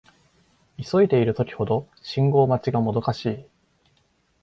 急いでいる時ほど信号待ちがもどかしい